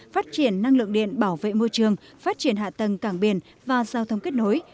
phát triển năng lượng điện bảo vệ môi trường phát triển hạ tầng cảng biển và giao thông kết nối